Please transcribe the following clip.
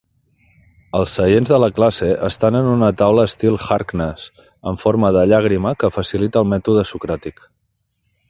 Els seients de la classe estan en una taula estil Harkness, en forma de llàgrima que facilita el mètode socràtic.